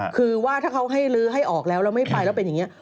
คือว่าถ้าเขาให้ลื้อให้ออกแล้วแล้วไม่ไปแล้วเป็นอย่างนี้